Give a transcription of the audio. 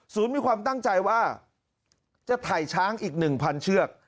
ศูนย์มีความตั้งใจว่าจะไถ้ช้างอีก๑๐๐๐เชือก